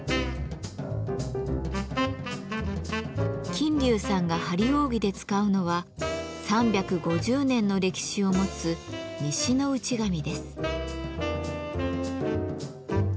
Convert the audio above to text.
琴柳さんが張り扇で使うのは３５０年の歴史を持つ「西の内紙」です。